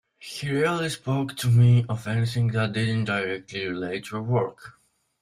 He rarely spoke to me of anything that didn't directly relate to our work.